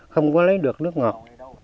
không có lấy được nước ngọt